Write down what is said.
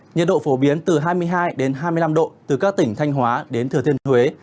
nhiệt độ phổ biến từ hai mươi hai hai mươi năm độ từ các tỉnh thanh hóa đến thừa thiên huế